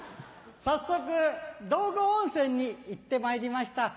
早速道後温泉に行ってまいりました。